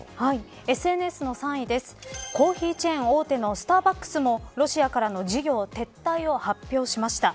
コーヒーチェーン大手のスターバックスもロシアからの事業撤退を発表しました。